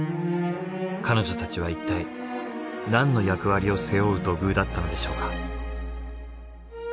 彼女たちはいったいなんの役割を背負う土偶だったのでしょうか？